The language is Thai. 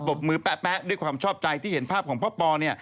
บมือแป๊ะด้วยความชอบใจที่เห็นภาพของพ่อปอเนี่ย